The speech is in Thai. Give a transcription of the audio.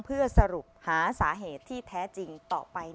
เพื่อสรุปหาสาเหตุที่แท้จริงต่อไป